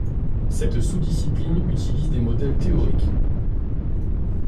Cette sous-discipline utilise des modèles théoriques.